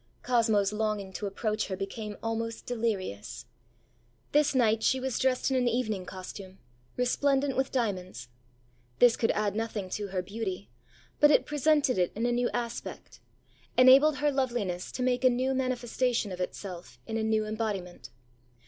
Cosmoãs longing to approach her became almost delirious. This night she was dressed in an evening costume, resplendent with diamonds. This could add nothing to her beauty, but it presented it in a new aspect; enabled her loveliness to make a new manifestation of itself in a new embodiment.